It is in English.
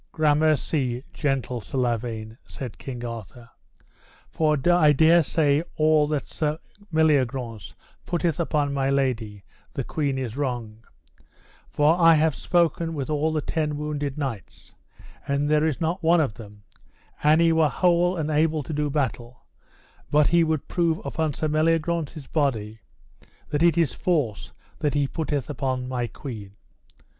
Gramercy gentle Sir Lavaine, said King Arthur, for I dare say all that Sir Meliagrance putteth upon my lady the queen is wrong, for I have spoken with all the ten wounded knights, and there is not one of them, an he were whole and able to do battle, but he would prove upon Sir Meliagrance's body that it is false that he putteth upon my queen.